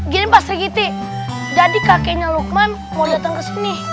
gini pak sirkiti jadi kakeknya lukman mau dateng kesini